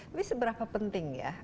tapi seberapa penting ya